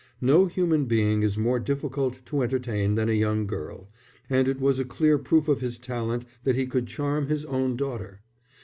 No human being is more difficult to entertain than a young girl, and it was a clear proof of his talent that he could charm his own daughter.